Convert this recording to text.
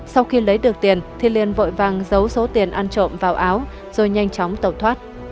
sau khi lấy được tiền thì liên vội vàng giấu số tiền ăn trộm vào áo rồi nhanh chóng tẩu thoát